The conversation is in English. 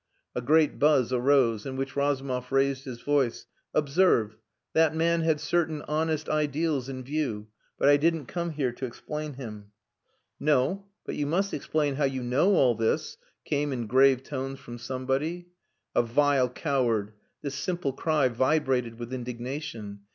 '" A great buzz arose, in which Razumov raised his voice. "Observe that man had certain honest ideals in view. But I didn't come here to explain him." "No. But you must explain how you know all this," came in grave tones from somebody. "A vile coward!" This simple cry vibrated with indignation.